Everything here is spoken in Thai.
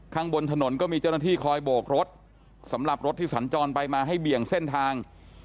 ข้างบนถนนก็มีเจ้าหน้าที่คอยโบกรถสำหรับรถที่สัญจรไปมาให้เบี่ยงเส้นทาง